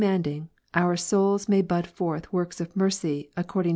291 manding, our soul may bud forth works of mercy «ccor</iw^ to Ps.